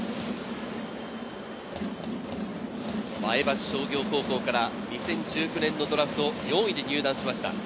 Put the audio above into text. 前橋商業高校から２０１９年のドラフト４位で入団しました。